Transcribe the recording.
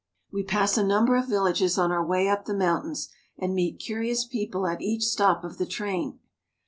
We pass a number of villages on our way up the mountains, and meet curious people at each stop of the train.